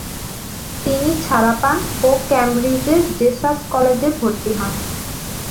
তিনি ছাড়া পান ও ক্যামব্রিজের জেসাস কলেজে ভর্তি হন।